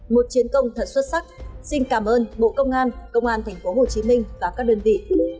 một chiến công thật xuất sắc xin cảm ơn bộ công an công an tp hcm và các đơn vị